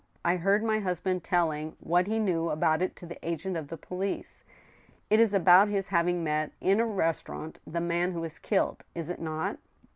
I heard my husband telling what he knew about it to the agent of the police. It is about his having met in a restaurant the man who was killed, is it not